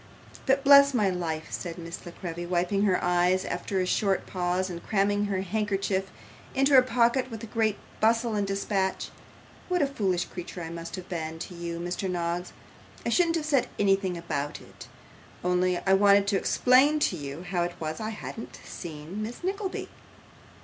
'But bless my life,' said Miss La Creevy, wiping her eyes after a short pause, and cramming her handkerchief into her pocket with great bustle and dispatch; 'what a foolish creature I must seem to you, Mr. Noggs! I shouldn't have said anything about it, only I wanted to explain to you how it was I hadn't seen Miss Nickleby.